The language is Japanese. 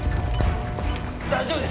大丈夫です